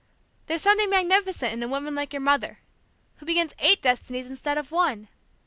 there's something magnificent in a woman like your mother, who begins eight destinies instead of one!